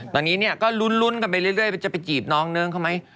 ตอนนี้เนี่ยก็ลุ้นกันไปเรื่อยจะไปจีบน้องเนิ้งเขาไหม